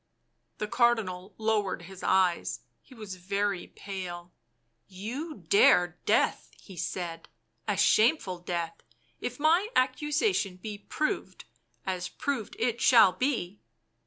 The Cardinal lowered his eyes ; he was very pale. " You dare death," he said, " a shameful death— if my accusation be proved — as proved it shall be."